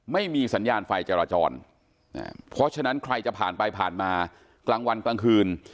ไม่มีสัญญาณไฟจราจรเพราะฉะนั้นใครจะผ่านไปผ่านมากลางวันกลางคืน